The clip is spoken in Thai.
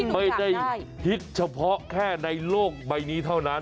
ไม่ได้คิดเฉพาะแค่ในโลกใบนี้เท่านั้น